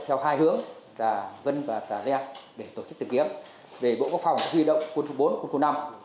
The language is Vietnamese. xảy ra tại xã trà len và xã trà vân thuộc huyện nam trà my tỉnh quảng nam